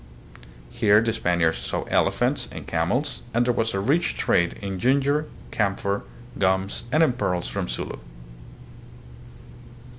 Here the Spaniards saw elephants and camels, and there was a rich trade in ginger, camphor, gums, and in pearls from Sulu.